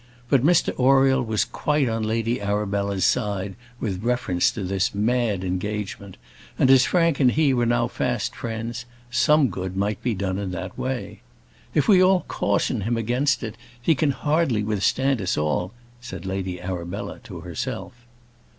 But Mr Oriel was quite on Lady Arabella's side with reference to this mad engagement, and as Frank and he were now fast friends, some good might be done in that way. "If we all caution him against it, he can hardly withstand us all!" said Lady Arabella to herself.